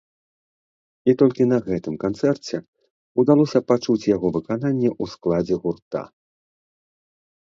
І толькі на гэтым канцэрце ўдалося пачуць яго выкананне ў складзе гурта.